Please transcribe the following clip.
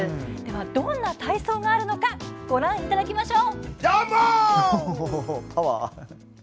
どんな体操があるのかご覧いただきましょう。